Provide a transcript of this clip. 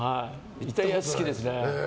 イタリア、好きですね。